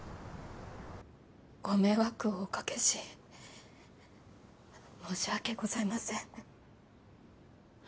ご迷惑をおかけし申し訳ございません。